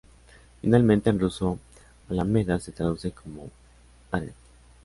Finalmente en ruso alameda se traduce como Аллея.